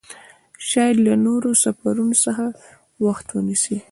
شاید له نورو سفرونو څخه وخت ونیسي.